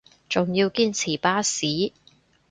仲要堅持巴士